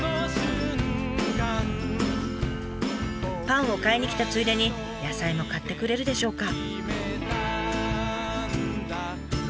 パンを買いに来たついでに野菜も買ってくれるでしょうか？